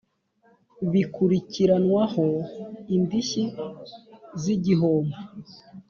bikurikiranwaho indishyi z igihombo